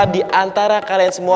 datang caranya ituism